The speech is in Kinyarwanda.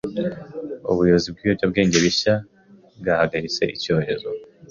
Ubuyobozi bwibiyobyabwenge bishya bwahagaritse icyorezo.